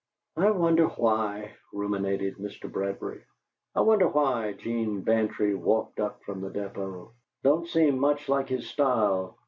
"I wonder why," ruminated Mr. Bradbury "I wonder why 'Gene Bantry walked up from the deepo. Don't seem much like his style.